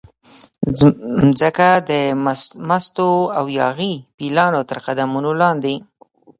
مځکه د مستو او یاغي پیلانو ترقدمونو لاندې